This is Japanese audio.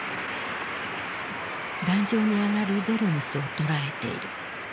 壇上に上がるデルムスを捉えている。